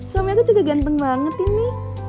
suami aku juga ganteng banget ini